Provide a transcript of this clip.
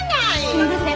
すいません。